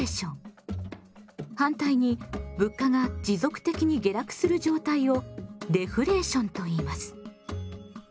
反対に物価が持続的に下落する状態をデフレーションといいます。